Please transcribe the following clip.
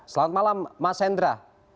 selamat malam mas hendra